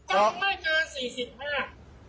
ก็ไม่เกิน๔๕